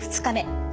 ２日目。